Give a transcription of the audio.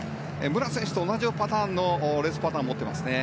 武良選手と同じパターンのレースパターンを持っていますね。